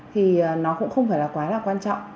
thì nó cũng không phải là quá quan trọng